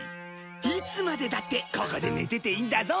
いつまでだってここで寝てていいんだぞ。